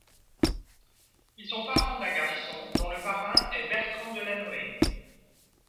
Ils sont parents d'un garçon dont le parrain est Bertrand Delanoë.